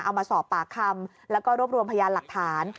เอามาสอบปากคำแล้วก็รวบรวมพยานหลักฐาน